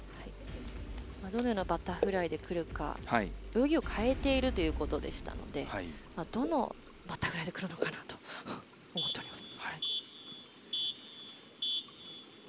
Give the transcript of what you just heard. どのようなバタフライでくるか泳ぎを変えているということでしたのでどのバタフライでくるのかなと思っております。